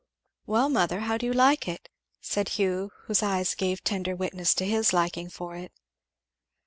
'" "Well, mother, how do you like it?" said Hugh whose eyes gave tender witness to his liking for it.